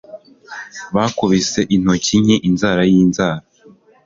bakubise intoki nki inzara yinzara